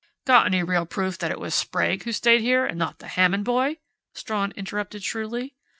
"Got any real proof that it was Sprague who stayed here and not the Hammond boy?" Strawn interrupted shrewdly.